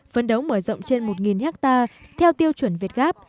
phấn đấu mở rộng trên một hectare theo tiêu chuẩn việt gáp